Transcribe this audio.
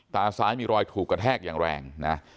ตาซ้ายมีรอยถูกกระแทกอย่างแรงนะ